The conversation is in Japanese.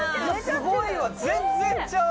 すごいわ全然ちゃう！